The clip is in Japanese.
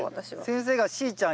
先生が「しーちゃん」